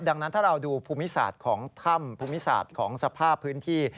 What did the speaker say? ดังนั้นถ้าเราดูภูมิศาสตร์ของถ้ำภูมิศาสตร์ของสภาพพื้นที่